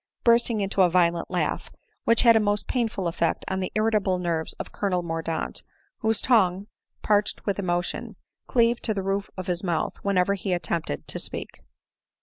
" bursting into a violent laugh, which had a most painful effect on the irritable nerves of Colonel Mordaunt, whose tongue, parched with emotion, cleaved to the roof of his mouth whenever he attempted to speak.